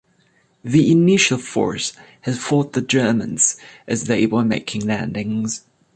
The initial force had fought the Germans as they were making landings.